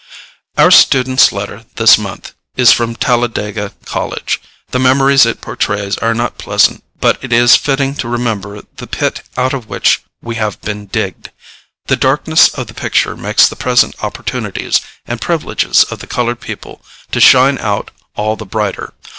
Our Student's Letter this month is from Talladega College. The memories it portrays are not pleasant, but it is fitting to remember the pit out of which we have been digged. The darkness of the picture makes the present opportunities and privileges of the colored people to shine out all the brighter.